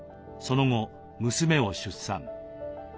その後娘を出産。